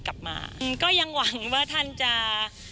กลับมาก็ยังหวังว่าท่านจะ